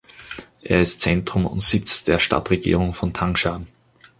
Er ist Zentrum und Sitz der Stadtregierung von Tangshan.